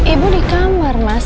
ibu di kamar mas